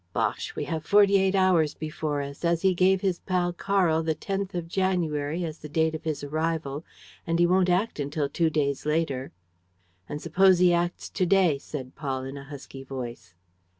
"Bosh! We have forty eight hours before us, as he gave his pal Karl the tenth of January as the date of his arrival and he won't act until two days later." "And suppose he acts to day?" said Paul, in a husky voice.